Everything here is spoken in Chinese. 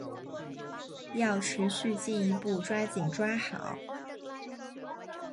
要持续进一步抓紧抓好